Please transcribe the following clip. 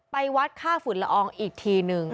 ไปวัดค่าฝุ่นละอองอีกทีนึง